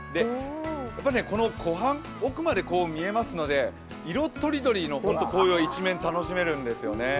やっぱり湖畔、奥まで見えますので色とりどりの紅葉が一面楽しめるんですよね。